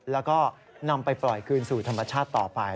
แล้วก็นำไปปล่อยคืนสู่ธรรมชาติต่อไป